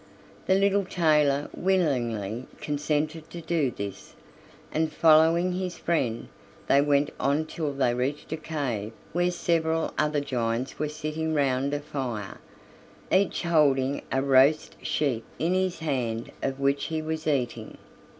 The little tailor willingly consented to do this, and following his friend they went on till they reached a cave where several other giants were sitting round a fire, each holding a roast sheep in his hand, of which he was eating.